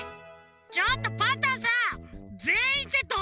ちょっとパンタンさんぜんいんってどういうこと？